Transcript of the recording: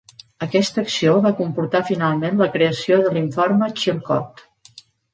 Aquesta acció va comportar finalment la creació de l'Informe Chilcot.